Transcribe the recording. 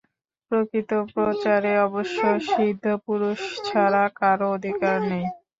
প্রকৃত প্রচারে অবশ্য সিদ্ধপুরুষ ছাড়া কারও অধিকার নেই।